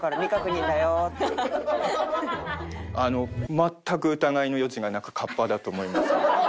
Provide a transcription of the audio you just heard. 全く疑いの余地がなく河童だと思います。